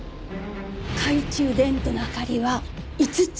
懐中電灯の明かりは５つ。